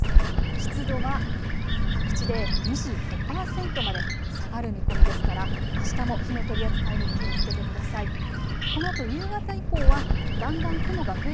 湿度は各地で２５％まで下がる見込みですからあしたも火の取り扱いに気をつけてください。